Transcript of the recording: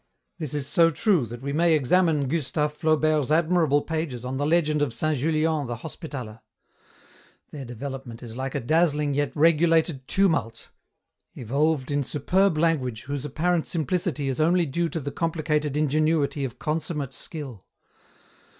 This is so true that we may examine Gustave Flaubert's admirable pages on the legend of St. Julian the Hospitaller. Their development is like a dazzling yet regulated tumult, evolved in superb language whose apparent simplicity is only due to the complicated ingenuity of consummate skill.